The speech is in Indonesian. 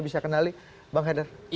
bisa kenali bang heder